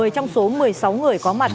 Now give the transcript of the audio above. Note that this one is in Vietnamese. một mươi trong số một mươi sáu người có mặt